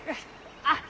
あっ！